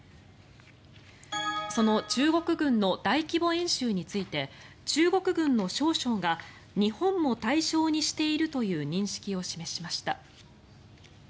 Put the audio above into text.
その中国軍の大規模演習について中国軍の少将が日本も対象にしているという認識を示しました。